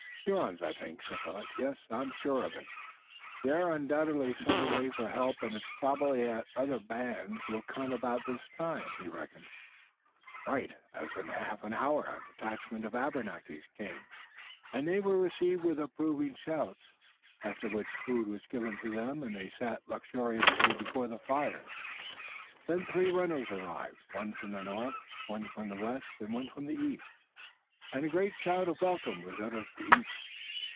"Hurons, I think," said Willet. "Yes, I'm sure of it. They've undoubtedly sent away for help, and it's probable that other bands will come about this time." He reckoned right, as in half an hour a detachment of Abenakis came, and they too were received with approving shouts, after which food was given to them and they sat luxuriously before the fires. Then three runners arrived, one from the north, one from the west, and one from the east, and a great shout of welcome was uttered for each.